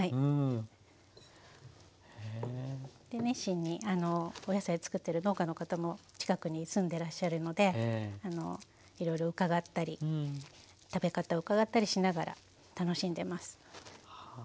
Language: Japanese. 熱心にお野菜作ってる農家の方も近くに住んでらっしゃるのでいろいろ伺ったり食べ方を伺ったりしながら楽しんでます。